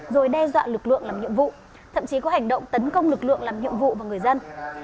rồi đe dọa lực lượng làm nhiệm vụ thậm chí có hành động tấn công lực lượng làm nhiệm vụ và người dân